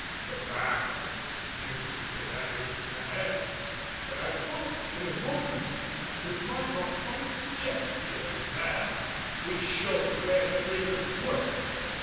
The wrack and the spume hid everything ahead, but I thought in a moment I could mark a white jet here and there which showed where the breakers were.